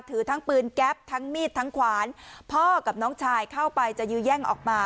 ถือทั้งปืนแก๊ปทั้งมีดทั้งขวานพ่อกับน้องชายเข้าไปจะยื้อแย่งออกมา